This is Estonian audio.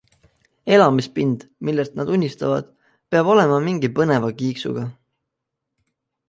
Elamispind, millest nad unistavad, peab olema mingi põneva kiiksuga.